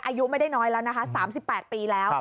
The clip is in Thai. อายุไม่ได้น้อยแล้วนะคะ๓๘ปีแล้ว